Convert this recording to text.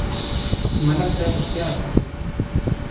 ملک صاحب هوښیار دی.